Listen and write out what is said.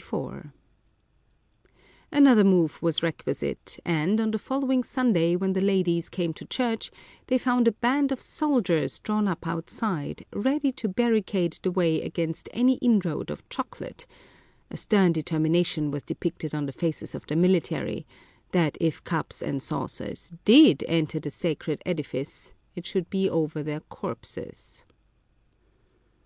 275 Curiosities of Olden Times Another move was requisite, and, on the follow ing Sunday, when the ladies came to church, they found a band of soldiers drawn up outside, ready to barricade the way against any inroad of choco late ; a stern determination was depicted on the faces of the military — that if cups and saucers did enter the sacred edifice, it should be over their corpses.